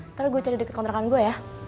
ntar gue cari dekat kontrakan gue ya